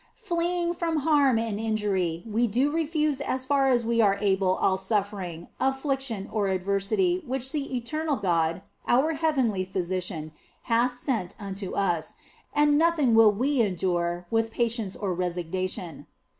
Fleeing from harm and injury, we do refuse as far as we are able all suffering, affliction, or adversity which the Eternal God, our heavenly Physician, hath sent unto us, and nothing will we endure with patience or resignation.